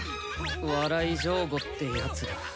笑い上戸ってやつだ。